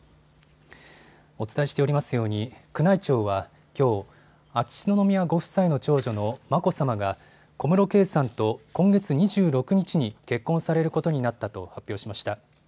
お伝えしておりますように宮内庁はきょう、秋篠宮ご夫妻の長女の眞子さまが小室圭さんと今月２６日に結婚されることになったと発表しました。